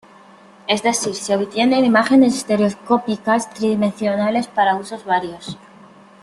Es decir, se obtienen imágenes estereoscópicas, tridimensionales, para usos varios.